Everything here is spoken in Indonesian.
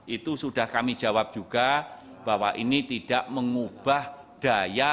itu sudah kami jawab juga bahwa ini tidak mengubah daya